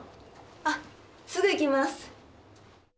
あっすぐ行きます。